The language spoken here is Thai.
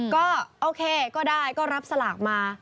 ก็โอเคก็ได้ก็รับสลากมา